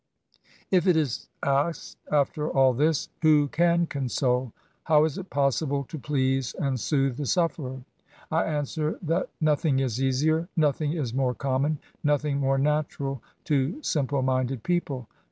If it is asked, after all this, '' who can console ? how is it possible to please and soothe the sufferer?" 26 ESSAYS. I answer, that nothing is easier — nothing is more common — ^nothing more natural to simple minded people.